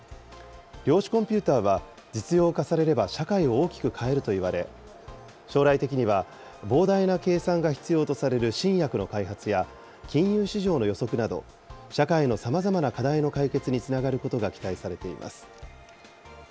量子コンピューターは実用化されれば社会を大きく変えるといわれ、将来的には膨大な計算が必要とされる新薬の開発や、金融市場の予測など、社会の様々な課題の解決につながることが期待されています。